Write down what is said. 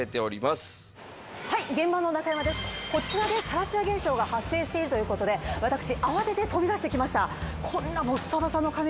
こちらでサラツヤ現象が発生しているという事で私慌てて飛び出してきました。